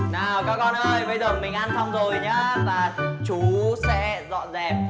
nào các con ơi bây giờ mình ăn xong rồi nhá và chú sẽ dọn dẹp